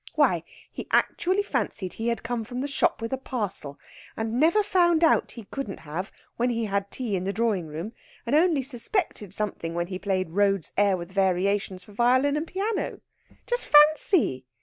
Why, he actually fancied he had come from the shop with a parcel, and never found out he couldn't have when he had tea in the drawing room, and only suspected something when he played Rode's 'Air with Variations for Violin and Piano.' Just fancy!